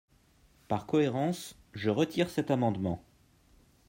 Par cohérence, je retire cet amendement.